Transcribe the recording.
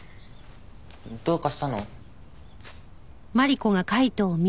どうかしたの？